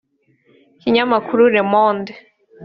Ikinyamakuru Le Monde